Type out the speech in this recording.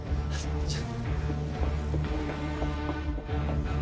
じゃあ。